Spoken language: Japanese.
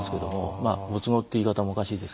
まあご都合って言い方もおかしいですけど。